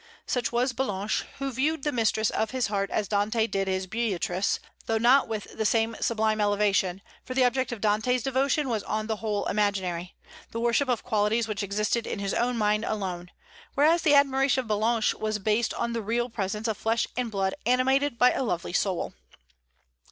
Such was Ballanche, who viewed the mistress of his heart as Dante did his Beatrice, though not with the same sublime elevation, for the object of Dante's devotion was on the whole imaginary, the worship of qualities which existed in his own mind alone, whereas the admiration of Ballanche was based on the real presence of flesh and blood animated by a lovely soul.